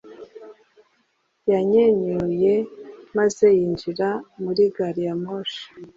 Yanyenyuye maze yinjira muri gari ya moshi.